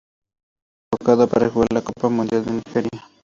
Fue convocado para jugar la copa mundial en Nigeria.